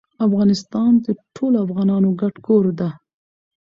افغانستان د ټولو افغانانو ګډ کور ده.